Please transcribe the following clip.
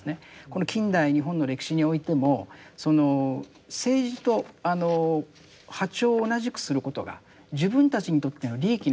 この近代日本の歴史においてもその政治と波長を同じくすることが自分たちにとっての利益なんじゃないか。